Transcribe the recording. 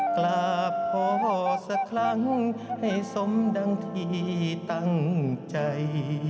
กราบพ่อสักครั้งให้สมดังที่ตั้งใจ